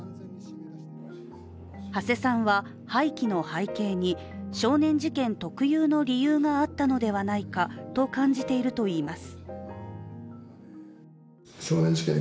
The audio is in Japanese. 土師さんは、廃棄の背景に少年事件特有の理由があったのではないかと感じているといいます。